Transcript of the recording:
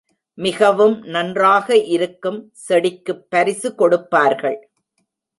மிகவும் நன்றாக இருக்கும் செடிக்குப் பரிசு கொடுப்பார்கள்.